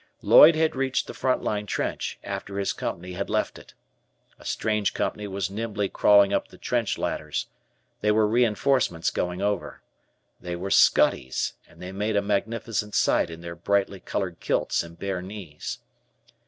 Lloyd had reached the front line trench, after his Company had left it. A strange company was nimbly crawling up the trench ladders. They were reinforcements going over. They were Scotties, and they made a magnificent sight in their brightly colored kilts and bare knees.